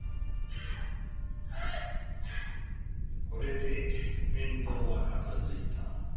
これで面倒は片づいた。